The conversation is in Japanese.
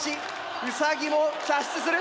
ウサギも射出する！